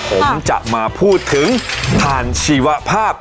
ผมจะมาพูดถึงผ่านชีวภาพ